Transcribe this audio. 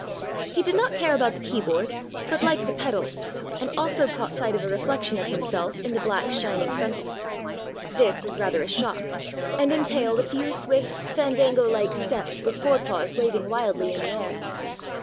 He did not care about the keyboard, but liked the pedals, and also caught sight of a reflection of himself in the black shining front of it. This was rather a shock, and entailed a few swift fandango like steps with fore paws waving wildly in the air.